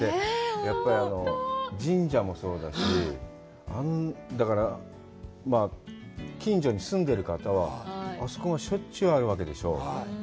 やっぱり神社もそうだし、だから、近所に住んでる方は、あそこがしょっちゅうあるわけでしょう。